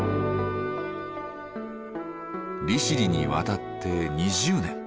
利尻に渡って２０年。